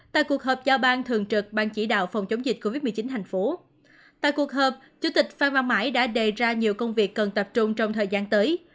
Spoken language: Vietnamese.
tại cuộc hợp chủ tịch phan văn mãi đã đề ra nhiều công việc cần tập trung trong thời gian tới